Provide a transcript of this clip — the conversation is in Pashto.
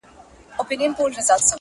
o يارانو راټوليږی چي تعويذ ورڅخه واخلو.